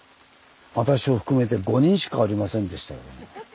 私を含めて５人しか降りませんでしたけども。